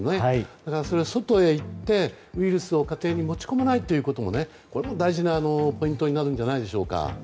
だから、外に行ってウイルスを家庭に持ち込まないことも大事なポイントになるんじゃないでしょうか。